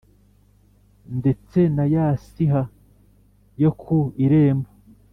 Ndetse na ya siha yo ku irembo